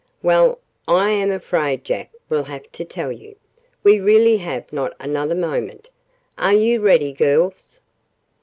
"Well, I am afraid Jack will have to tell you. We really have not another moment. Are you ready, girls?"